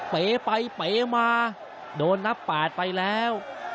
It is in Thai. เป๋ไปเป๋มาโดนนับ๘ไปแล้ว